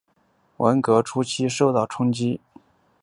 文革初期受到冲击。